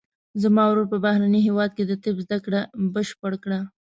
زما ورور په بهرني هیواد کې د طب زده کړه بشپړه کړه